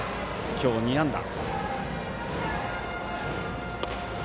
今日２安打。